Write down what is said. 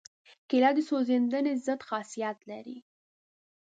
کېله د سوځېدنې ضد خاصیت لري.